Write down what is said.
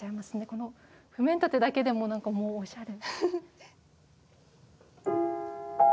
この譜面立てだけでも何かもうおしゃれ。